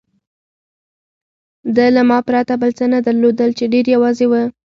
ده له ما پرته بل څه نه درلودل، چې ډېر یوازې و.